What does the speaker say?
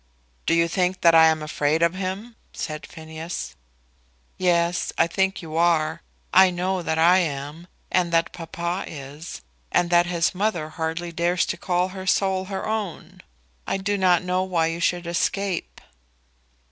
"Do you think that I am afraid of him?" said Phineas. "Yes; I think you are. I know that I am, and that papa is; and that his mother hardly dares to call her soul her own. I do not know why you should escape."